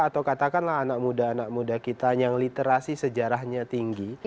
atau katakanlah anak muda anak muda kita yang literasi sejarahnya tinggi